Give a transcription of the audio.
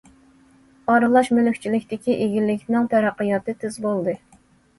ئارىلاش مۈلۈكچىلىكتىكى ئىگىلىكنىڭ تەرەققىياتى تېز بولدى.